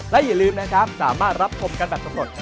และอย่าลืมนะครับสามารถรับชมกันแบบสำรวจ